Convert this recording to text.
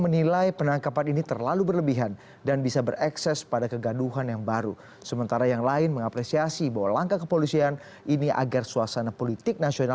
padahal karena anak aku sangat gampang setidaknya